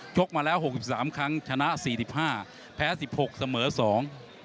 ชกมาแล้ว๖๓ครั้งชนะ๔๕แพ้๑๖เสมอ๒ครั้ง